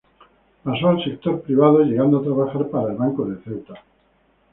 Pasó al sector privado, llegando a trabajar para el Banco de Ceuta.